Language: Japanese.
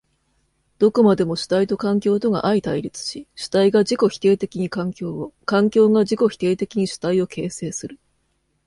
どこまでも主体と環境とが相対立し、主体が自己否定的に環境を、環境が自己否定的に主体を形成する。